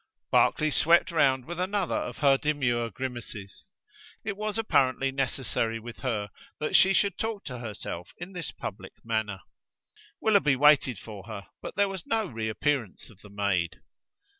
Barclay swept round with another of her demure grimaces. It was apparently necessary with her that she should talk to herself in this public manner. Willoughby waited for her; but there was no reappearance of the maid.